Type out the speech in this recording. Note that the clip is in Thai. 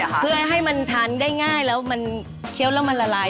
อ่ะค่ะเพื่อให้มันทันได้ง่ายแล้วมันเข้าแล้วมันละลาย